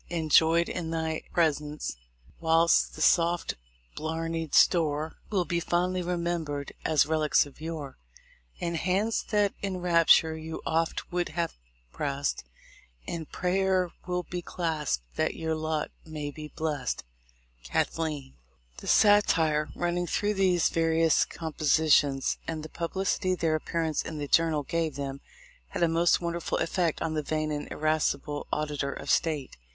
243 Enjoyed in thy presence; whilst the soft blarnied store Will be fondly remembered as relics of yore, And hands that in rapture you oft would have pressed, In prayer will be clasped that your lot may be blest. Cathleen. The satire running through these various com positions, and the publicity their appearance in the Journal gave them, had a most wonderful effect on the vain and irascible Auditor of State.